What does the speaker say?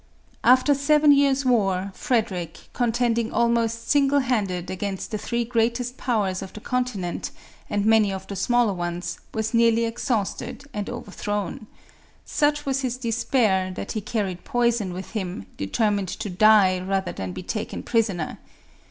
After seven years' war, Frederic, contending almost single handed against the three greatest powers of the continent, and many of the smaller ones, was nearly exhausted and overthrown. Such was his despair, that he carried poison with him, determined to die rather than be taken prisoner.